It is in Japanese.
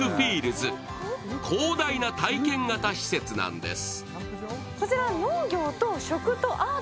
広大な体験型施設なんです。